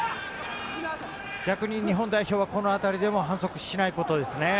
逆に日本はこの辺りで反則しないことですね。